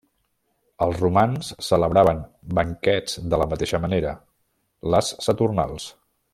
Els romans celebraven banquets de la mateixa manera, les saturnals.